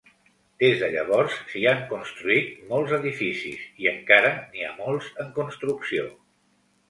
Des de llavors s'hi han construït molts edificis, i encara n'hi ha molts en construcció.